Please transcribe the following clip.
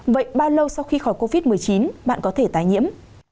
vậy bao lâu sau khi khỏi covid một mươi chín bạn có thể tái nhiễm